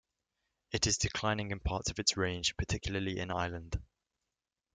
It is declining in parts of its range, particularly in Ireland.